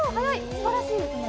素晴らしいですね。